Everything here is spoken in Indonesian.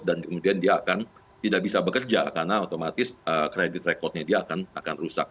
dan kemudian dia akan tidak bisa bekerja karena otomatis kredit rekodnya dia akan rusak